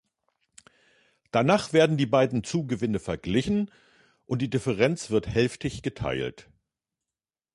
Danach werden die beiden Zugewinne verglichen und die Differenz wird hälftig geteilt.